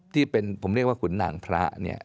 ที่เป็นผมเรียกว่าขุนนางพระเนี่ย